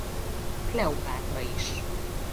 Kleopátra is.